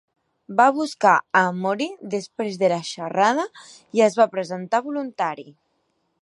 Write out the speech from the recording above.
Va buscar a Amory després de la xerrada i es va presentar voluntari.